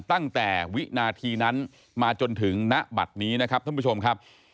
ตั้งแต่วินาทีนั้นมาจนถึงณบัตรนี้นะครับท่านผู้ชมครับ